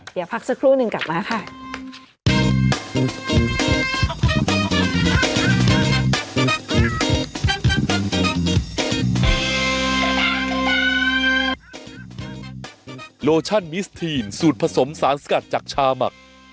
เดี๋ยวพักสักครู่หนึ่งกลับมาค่ะ